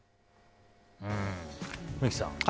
三木さん